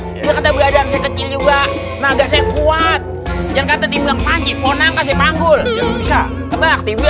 ini katanya beradaan saya kecil juga